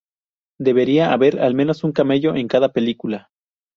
Debería haber al menos un camello en cada película.